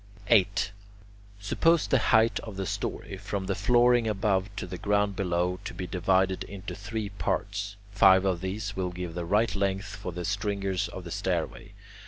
8. Suppose the height of the story, from the flooring above to the ground below, to be divided into three parts. Five of these will give the right length for the stringers of the stairway.